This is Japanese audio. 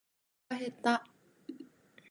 おなかが減った。